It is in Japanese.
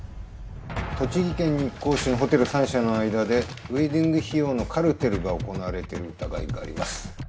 栃木県日光市のホテル３社の間でウエディング費用のカルテルが行われてる疑いがあります。